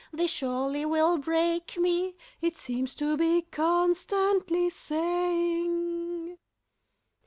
They surely will break me!" It seems to be constantly saying.